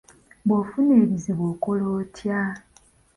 Bw’ofuna ebizibu okola otya?